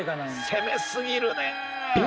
攻めすぎるねえ。